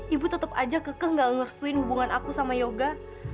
ibu tetap aja kekeh gak ngerestuin hubungan aku sama yoga